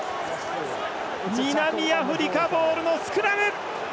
南アフリカボールのスクラム！